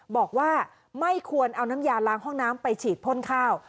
บอกว่าไม่ควรเอาน้ำยาล้างห้องน้ำไปฉีดพ่นข้าว